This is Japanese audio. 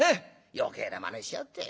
余計なまねしやがって。